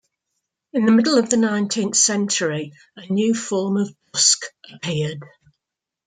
In the middle of the nineteenth century, a new form of busk appeared.